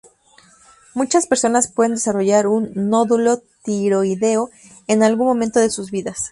Muchas personas pueden desarrollar un nódulo tiroideo en algún momento de sus vidas.